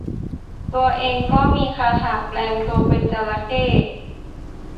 ตัวเองก็มีคาถาแปลงตัวเป็นจระเข้